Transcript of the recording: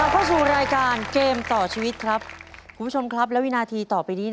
โปรดติดตามตอนต่อไป